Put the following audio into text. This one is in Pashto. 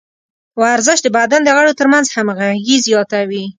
ورزش د بدن د غړو ترمنځ همغږي زیاتوي.